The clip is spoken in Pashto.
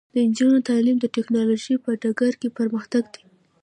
د نجونو تعلیم د ټیکنالوژۍ په ډګر کې پرمختګ دی.